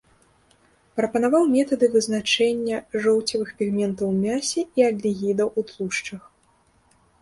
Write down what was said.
Прапанаваў метады вызначэння жоўцевых пігментаў у мясе і альдэгідаў у тлушчах.